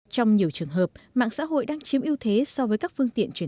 trong nhiều trường hợp mạng xã hội đang chiếm ưu thế